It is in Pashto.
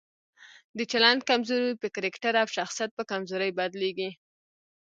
د چلند کمزوري په کرکټر او شخصیت په کمزورۍ بدليږي.